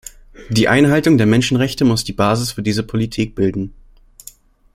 Die Einhaltung der Menschenrechte muss die Basis für diese Politik bilden.